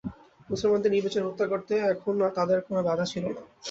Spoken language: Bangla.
মুসলমানদের নির্বিচারে হত্যা করতে এখন তাদের আর কোন বাধা ছিল না।